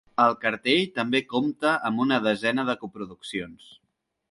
El cartell també compta amb una desena de coproduccions.